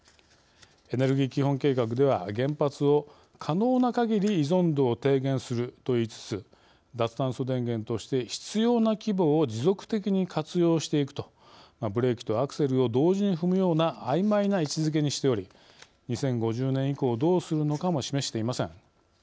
エネルギー基本計画では原発を「可能な限り依存度を低減する」と言いつつ、脱炭素電源として「必要な規模を持続的に活用していく」とブレーキとアクセルを同時に踏むようなあいまいな位置づけにしており２０５０年以降どうするのかも示していません。